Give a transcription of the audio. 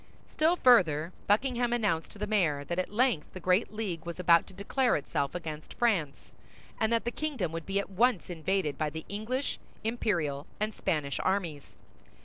Still further, Buckingham announced to the mayor that at length the great league was about to declare itself against France, and that the kingdom would be at once invaded by the English, Imperial, and Spanish armies.